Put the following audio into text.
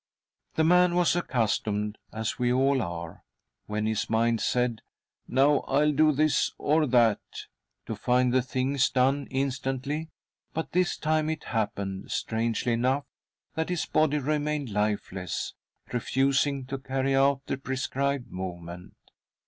The man was accustomed— as we all are— when his mind said :" Now I'll do this or that," to find the thing done instantly, but this time it happened, strangely enough, that his body remained lifeless, . refusing to carry out the prescribed movement.